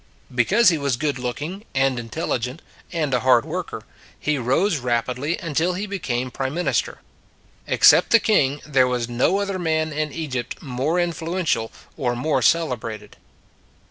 Because he was good looking, and intel ligent, and a hard worker, he rose rapidly until he became prime minister. Except the king there was no other man in Egypt more influential or more celebrated.